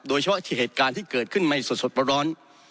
โดยเฉพาะเหตุการณ์ที่เกิดขึ้นในสดประร้อน